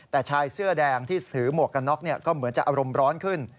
แต่ชายเสื้อแดงที่ถือหมวกกันน็อกก็เหมือนจะอารมณ์ร้อนขึ้น